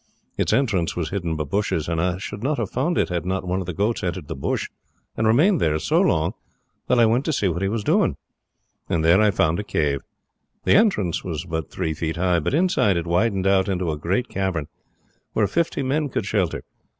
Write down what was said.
Its entrance was hidden by bushes, and I should not have found it had not one of the goats entered the bush and remained there so long that I went to see what he was doing. There I found a cave. The entrance was but three feet high, but inside it widened out into a great cavern, where fifty men could shelter.